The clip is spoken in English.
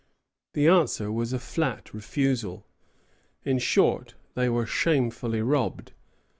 The answer was a flat refusal. In short, they were shamefully robbed.